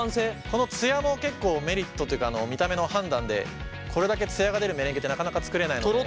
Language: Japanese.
この艶も結構メリットとというか見た目の判断でこれだけ艶が出るメレンゲってなかなか作れないので。